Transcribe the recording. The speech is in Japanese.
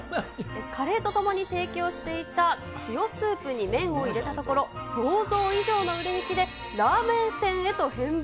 カレーとともに提供していた塩スープに麺を入れたところ、想像以上の売れ行きで、ラーメン店へと変貌。